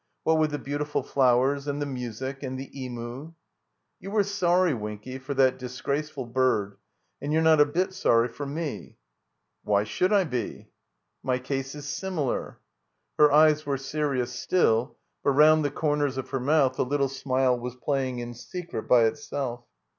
"What with the beautiful flowers and the music and the Emu —" "You were sorry, Winky, for that disgraceful bird, and you're not a bit sorry for me." "Why should I be?" "My case is similar." Her eyes were serious still, but rotmd the comers of hor mouth a little smile was playing in secret by itself.